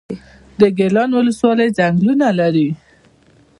د ګیان ولسوالۍ ځنګلونه لري